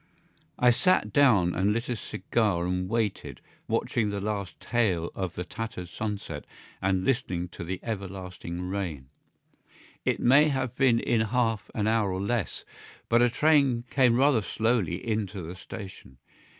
I sat down and lit a cigar and waited, watching the last tail of the tattered sunset and listening to the everlasting rain. It may have been in half an hour or less, but a train came rather slowly into the station.